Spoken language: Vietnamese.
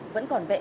vẫn còn về đây